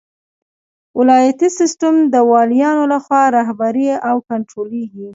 ولایتي سیسټم د والیانو لخوا رهبري او کنټرولیږي.